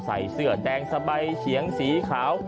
ใส่เสื้อแดงสบายเฉียงสีขาว